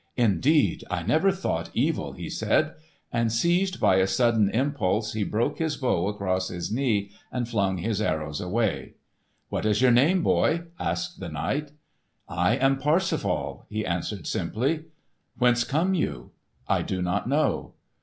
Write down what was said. "Indeed, I never thought evil," he said. And seized by a sudden impulse he broke his bow across his knee and flung his arrows away. "What is your name, boy?" asked the knight. "I am Parsifal," he answered simply. "Whence come you?" "I do not know."